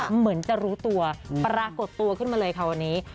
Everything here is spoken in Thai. เหมือนจะรู้ตัวปรากฏตัวขึ้นมาเลยค่ะวันนี้